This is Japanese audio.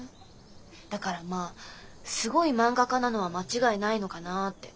だからまあすごい漫画家なのは間違いないのかなーって。